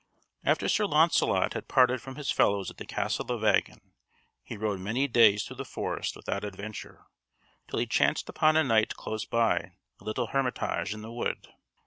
After Sir Launcelot had parted from his fellows at the Castle of Vagon, he rode many days through the forest without adventure, till he chanced upon a knight close by a little hermitage in the wood.